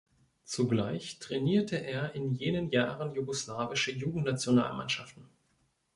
Zugleich trainierte er in jenen Jahren jugoslawische Jugendnationalmannschaften.